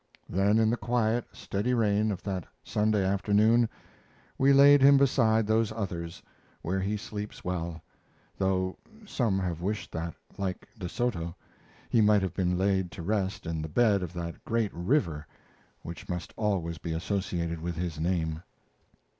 Then in the quiet, steady rain of that Sunday afternoon we laid him beside those others, where he sleeps well, though some have wished that, like De Soto, he might have been laid to rest in the bed of that great river which must always be associated with his name.